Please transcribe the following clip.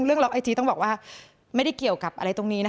ล็อกไอจีต้องบอกว่าไม่ได้เกี่ยวกับอะไรตรงนี้นะคะ